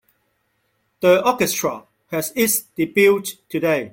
The orchestra has its debut today.